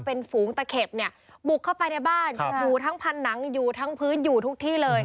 เป็นฝูงตะเข็บเนี่ยบุกเข้าไปในบ้านอยู่ทั้งผนังอยู่ทั้งพื้นอยู่ทุกที่เลย